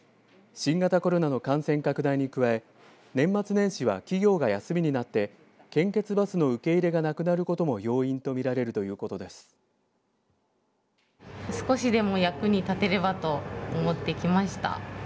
新型コロナの感染拡大に加え年末年始は企業が休みになって献血バスの受け入れがなくなることも要因と見られるということです。